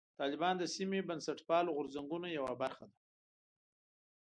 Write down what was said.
طالبان د سیمې بنسټپالو غورځنګونو یوه برخه ده.